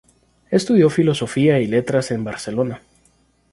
Estudió Filosofía y Letras en Barcelona.